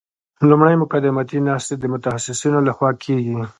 لومړی مقدماتي ناستې د متخصصینو لخوا کیږي